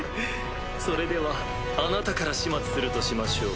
それではあなたから始末するとしましょう。